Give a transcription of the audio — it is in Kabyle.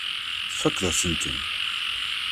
Tfakkeḍ-asen-ten.